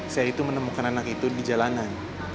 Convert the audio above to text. saya itu menemukan anak itu di jalanan